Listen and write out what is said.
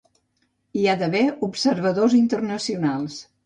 Hi ha d’haver observadors internacionals.